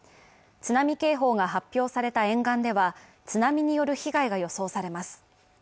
津波警報が発表された沿岸では、津波による被害が予想されます。